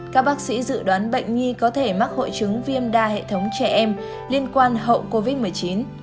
các bác sĩ dự đoán bệnh nhi có thể mắc hội chứng viêm đa hệ thống trẻ em liên quan hậu covid một mươi chín